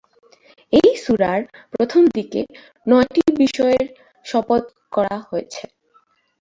এই সূরার প্রথম দিকে নয়টি বিষয়ের শপথ করা হয়েছে।